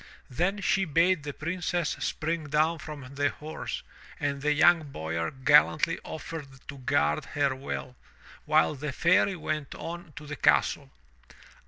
Then she bade the Princess spring down from the horse, and the young Boyar gallantly offered to guard her well, while the Fairy went on to the castle.